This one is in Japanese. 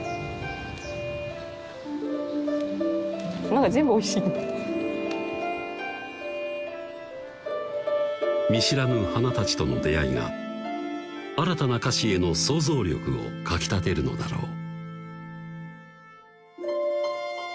うん見知らぬ花たちとの出会いが新たな菓子への想像力をかきたてるのだろう